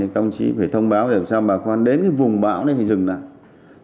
công chí phải thông báo để làm sao bà con đến cái vùng bão này thì dừng lại